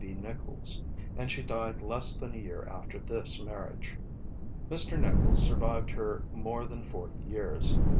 B. Nicholls; and she died less than a year after this marriage. Mr. Nicholls survived her more than forty years.